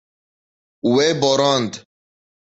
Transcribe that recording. Wê borand.